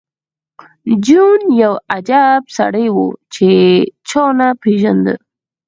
جون یو عجیب سړی و چې چا نه پېژانده